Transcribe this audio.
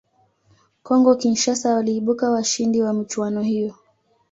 congo Kinshasa waliibuka washindi wa michuano hiyo